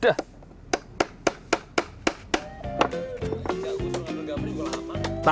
tidak saya sudah lama mengambil gambar